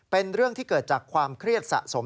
เป็นเรื่องที่เกิดจากความเครียดสะสม